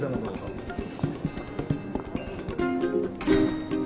失礼します。